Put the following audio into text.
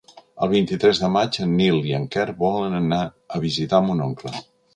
El vint-i-tres de maig en Nil i en Quer volen anar a visitar mon oncle.